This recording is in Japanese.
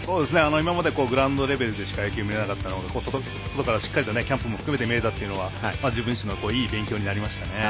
今までグラウンドレベルでしか野球を見れなかったので、外からキャンプも含めて見れたのは自分でいい勉強になりました。